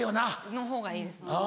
のほうがいいですね。